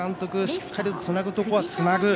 しっかりとつなぐところはつなぐ。